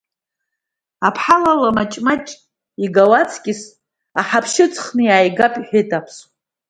Аԥҳал ала маҷ-маҷ игуа аҵкьыс, аҳаԥшьа ыҵхны иаагап, иҳәыт аԥсуа.